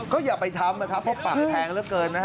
ก็อย่าไปทำเพราะปรับให้แพงเหลือเกิน